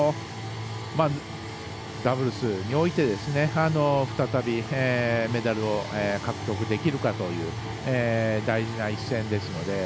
ダブルスにおいて再び、メダルを獲得できるかという大事な一戦ですので。